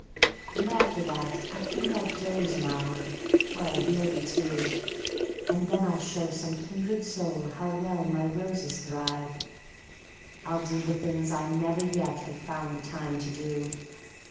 And after that I think I'll doze an hour, well, maybe two, And then I'll show some kindred soul how well my roses thrive; I'll do the things I never yet have found the time to do.